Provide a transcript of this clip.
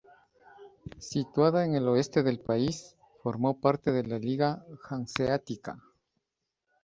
Situada en el oeste del país, formó parte de la Liga Hanseática.